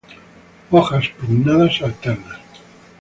Hojas pinnadas alternas.